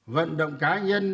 vận động cá nhân